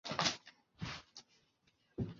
秤砣草